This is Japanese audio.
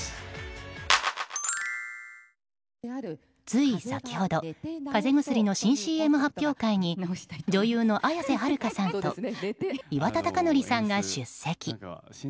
つい先ほどかぜ薬の新ＣＭ発表会に女優の綾瀬はるかさんと岩田剛典さんが出席。